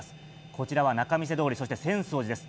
こちらは仲見世通り、そして浅草寺です。